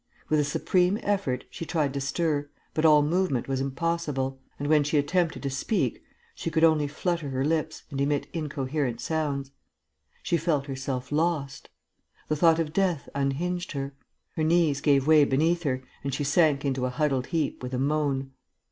With a supreme effort, she tried to stir, but all movement was impossible; and, when she attempted to speak, she could only flutter her lips and emit incoherent sounds. She felt herself lost. The thought of death unhinged her. Her knees gave way beneath her and she sank into a huddled heap, with a moan.